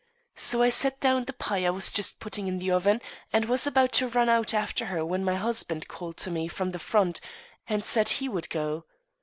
So I set down the pie I was just putting in the oven, and was about to run out after her when my husband called to me from the front, and said he would go.